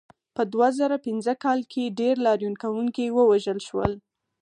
په دوه زره پنځه کال کې ډېر لاریون کوونکي ووژل شول.